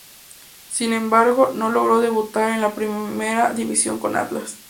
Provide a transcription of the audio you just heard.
Sin embargo no logró debutar en la primera división con Atlas.